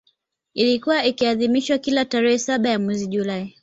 Ilikuwa ikiadhimishwa kila tarehe saba ya mwezi julai